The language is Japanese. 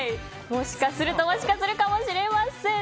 もしかするともしかするかもしれません。